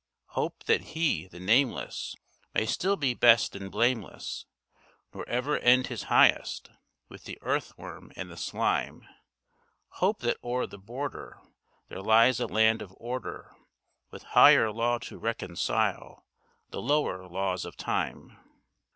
Hope that He, the nameless, May still be best and blameless, Nor ever end His highest With the earthworm and the slime. Hope that o'er the border, There lies a land of order, With higher law to reconcile The lower laws of Time.